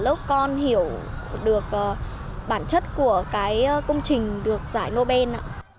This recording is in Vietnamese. để bọn con hiểu được bản chất của cái công trình được giải nobel